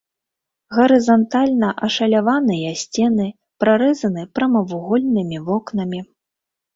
Гарызантальна ашаляваныя сцены прарэзаны прамавугольнымі вокнамі.